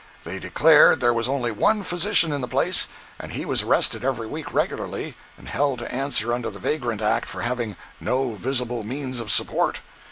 They declared there was only one physician in the place and he was arrested every week regularly and held to answer under the vagrant act for having "no visible means of support."